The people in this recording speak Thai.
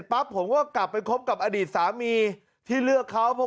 แล้วเครื่องมาก